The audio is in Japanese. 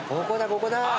ここだここだ。